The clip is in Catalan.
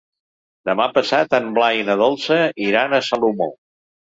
Demà passat en Blai i na Dolça iran a Salomó.